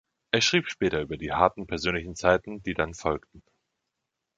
Er schrieb später über die harten persönlichen Zeiten, die dann folgten.